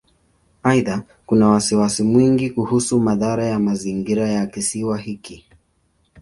Aidha, kuna wasiwasi mwingi kuhusu madhara ya mazingira ya Kisiwa hiki.